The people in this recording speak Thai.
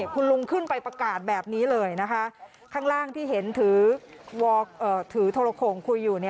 คุณลุงขึ้นไปประกาศแบบนี้เลยนะคะข้างล่างที่เห็นถือโทรโขงคุยอยู่